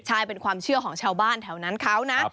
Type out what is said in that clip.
ใช่เป็นความเชื่อของชาวบ้านแถวนั้นเขานะ